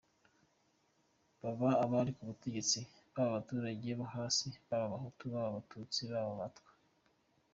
Baba abari ku butegetsi, baba abaturage bo hasi, baba abahutu baba abatutsi baba abatwa.